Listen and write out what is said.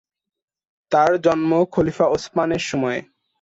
তার জন্ম খলিফা ওসমান এর সময়ে।